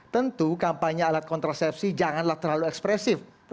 tentu kampanye alat kontrasepsi janganlah terlalu ekspresif